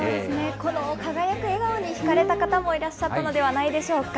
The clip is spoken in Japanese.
この輝く笑顔に引かれた方もいらっしゃったのではないでしょうか。